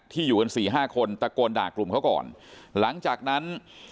อยู่กันสี่ห้าคนตะโกนด่ากลุ่มเขาก่อนหลังจากนั้น